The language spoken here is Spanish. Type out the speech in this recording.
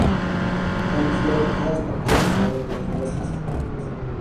Knopfler ha estado casado tres veces.